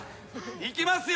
いきますよ。